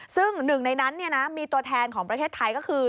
ซึ่งหนึ่งในนั้นมีตัวแทนของประเทศไทยก็คือ